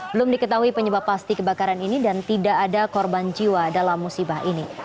belum diketahui penyebab pasti kebakaran ini dan tidak ada korban jiwa dalam musibah ini